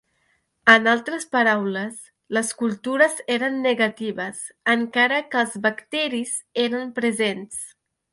En altres paraules, les cultures eren negatives encara que els bacteris eren present.